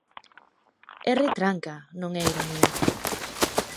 E retranca non é ironía.